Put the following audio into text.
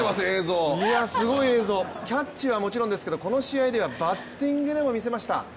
キャッチはもちろんですけど、この試合はバッティングでも見せました。